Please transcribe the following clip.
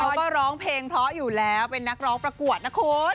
เขาก็ร้องเพลงเพราะอยู่แล้วเป็นนักร้องประกวดนะคุณ